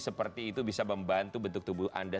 seperti itu bisa membantu bentuk tubuh anda